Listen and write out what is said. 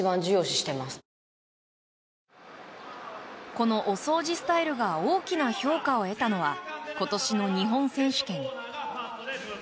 このお掃除スタイルが大きな評価を得たのは今年の日本選手権。